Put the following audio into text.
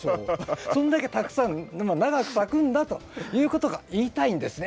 そんだけたくさん長く咲くんだということが言いたいんですね